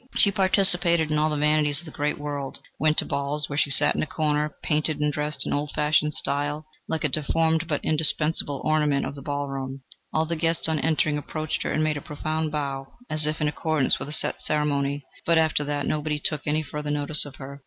She participated in all the vanities of the great world, went to balls, where she sat in a corner, painted and dressed in old fashioned style, like a deformed but indispensable ornament of the ball room; all the guests on entering approached her and made a profound bow, as if in accordance with a set ceremony, but after that nobody took any further notice of her.